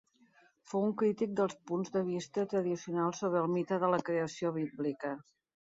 Fou un crític dels punts de vista tradicionals sobre el mite de la creació bíblica.